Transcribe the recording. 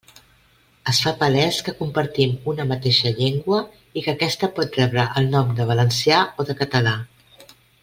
Es fa palés que compartim una mateixa llengua i que aquesta pot rebre el nom de valencià o de català.